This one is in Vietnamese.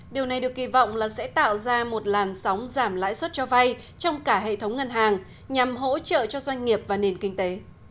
điều này được kỳ vọng là sẽ tạo ra một làn sóng giảm lãi suất cho vay trong cả hệ thống ngân hàng nhằm hỗ trợ cho doanh nghiệp và nền kinh tế